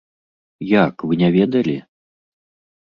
Як, вы не ведалі?